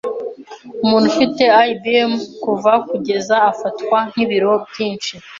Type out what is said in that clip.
Umuntu ufite BMI kuva kugeza afatwa nkibiro byinshi.